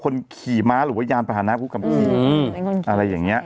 คนขี่ม้าหรือว่ายานประหาร้าค๗๙อะไรอย่างเงี้ย